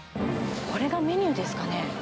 これがメニューですかね。